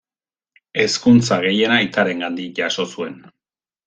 Hezkuntza gehiena aitarengandik jaso zuen.